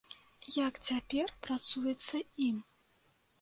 Як цяпер працуецца ім?